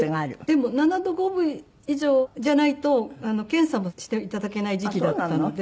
でも３７度５分以上じゃないと検査もして頂けない時期だったので。